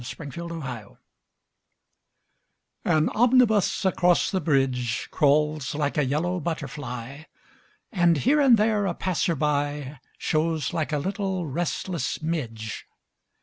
SYMPHONY IN YELLOW AN omnibus across the bridge Crawls like a yellow butterfly And, here and there, a passer by Shows like a little restless midge.